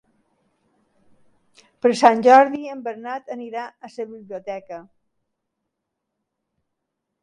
Per Sant Jordi en Bernat irà a la biblioteca.